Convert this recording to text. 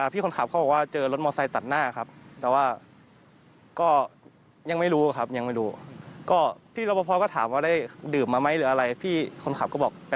พี่คนขับก็บอกไปรับเพื่อนครับประมาณนี้ครับ